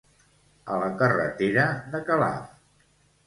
A la carretera de Calaf.